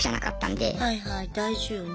はいはい大事よね。